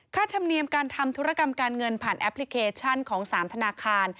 ธรรมเนียมการทำธุรกรรมการเงินผ่านแอปพลิเคชันของ๓ธนาคาร